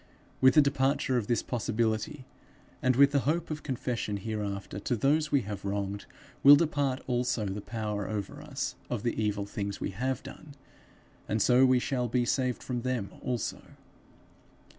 With the departure of this possibility, and with the hope of confession hereafter to those we have wronged, will depart also the power over us of the evil things we have done, and so we shall be saved from them also.